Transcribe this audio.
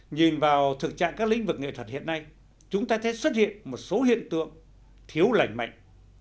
nhìn vào thực trạng các lĩnh vực nghệ thuật hiện nay chúng ta thấy xuất hiện một số hiện tượng thiếu lành mạnh